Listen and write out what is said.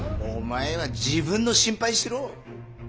お前は自分の心配しろ。